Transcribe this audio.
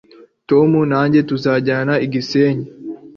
tom nanjye tuzajyana i gisenyi